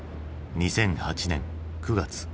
２００８年９月。